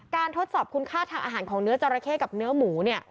ทดสอบคุณค่าทางอาหารของเนื้อจราเข้กับเนื้อหมู